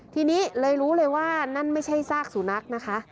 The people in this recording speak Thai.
ทีนี้เลยรู้เลยว่านั่นไม่ใช่ซากสุนัขนะคะ